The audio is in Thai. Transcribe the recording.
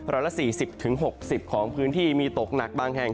ร้อยละ๔๐๖๐ของพื้นที่มีตกหนักบางแห่ง